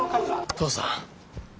父さん。